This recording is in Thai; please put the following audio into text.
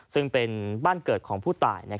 ซึ่งเป็นบ้านเกิดของผู้ตาย